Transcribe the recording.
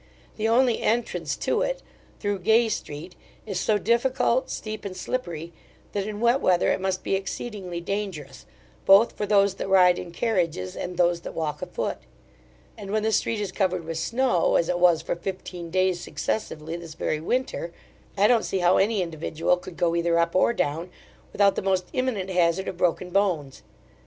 The only entrance to it, through Gay street, is so difficult, steep, and slippery, that in wet weather, it must be exceedingly dangerous, both for those that ride in carriages, and those that walk a foot; and when the street is covered with snow, as it was for fifteen days successively this very winter, I don't see how any individual could go either up or down, without the most imminent hazard of broken bones.